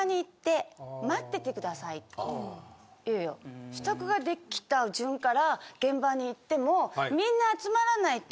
いやいや支度ができた順から現場に行ってもみんな集まらないと。